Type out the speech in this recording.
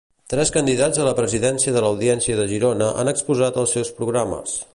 Tres candidats a la presidència de l'Audiència de Girona han exposat els seus programes.